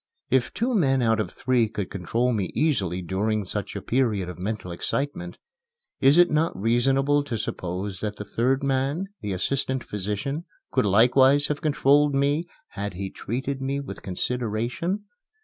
If two men out of three could control me easily during such a period of mental excitement, is it not reasonable to suppose that the third man, the assistant physician, could likewise have controlled me had he treated me with consideration?